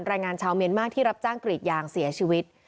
แรงงานชาวเมียนมากที่รับจ้างกรีดยางเสียชีวิต